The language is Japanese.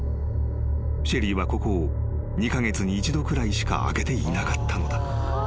［シェリーはここを２カ月に一度くらいしか開けていなかったのだ］